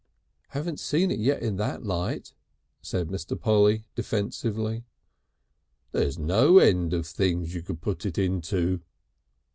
"Haven't seen it yet in that light," said Mr. Polly defensively. "There's no end of things you could put it into."